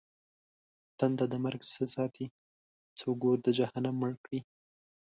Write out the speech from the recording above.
تنده د مرگ څه ساتې؟! څوک اور د جهنم مړ کړي؟!